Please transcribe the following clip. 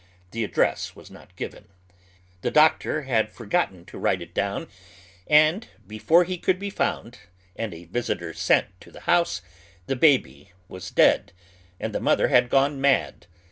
The address was not given, Tlie doctor had forgotten to write it down, and before he could be found and a visitor sent to the house the baby was dead, and tiie mother had gone mad.